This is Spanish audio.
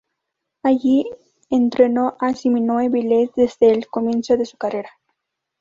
Allí entrenó a Simone Biles desde el comienzo de su carrera.